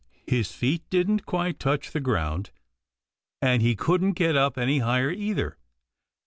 His feet didn't quite touch the ground, and he couldn't get up any higher either.